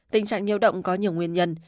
tình trạng nhiêu động có nhiều nguyên nhân